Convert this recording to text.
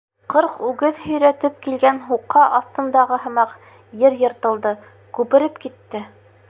Ҡырҡ үгеҙ һөйрәтеп килгән һуҡа аҫтындағы һымаҡ, ер йыртылды, күпереп китте!